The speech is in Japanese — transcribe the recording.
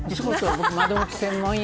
窓口専門よ。